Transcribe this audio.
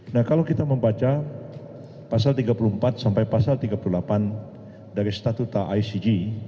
nah kalau kita membaca pasal tiga puluh empat sampai pasal tiga puluh delapan dari statuta icg